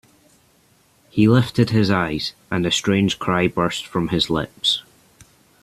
He lifted his eyes, and a strange cry burst from his lips.